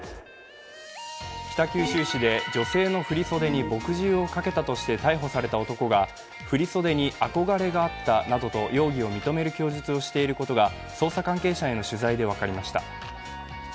北九州市で女性の振り袖に墨汁をかけたとして逮捕された男が振り袖に憧れがあったなどと容疑を認める供述をしていることが捜査関係者への取材で分かりました。